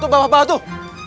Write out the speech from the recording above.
tuh bawah bawah tuh